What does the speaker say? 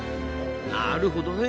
なるほどね。